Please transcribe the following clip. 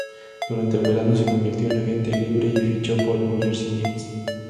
Durante el verano se convirtió en agente libre y fichó por New Jersey Nets.